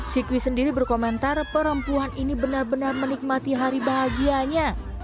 sikwi sendiri berkomentar perempuan ini benar benar menikmati hari bahagianya